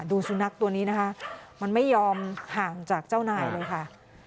สุนัขตัวนี้นะคะมันไม่ยอมห่างจากเจ้านายเลยค่ะ